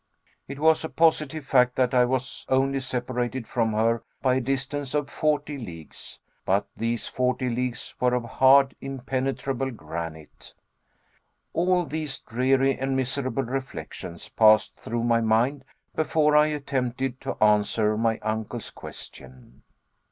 It was a positive fact that I was only separated from her by a distance of forty leagues. But these forty leagues were of hard, impenetrable granite! All these dreary and miserable reflections passed through my mind, before I attempted to answer my uncle's question.